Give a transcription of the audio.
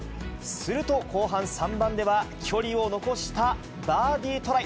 すると、後半３番では、距離を残したバーディートライ。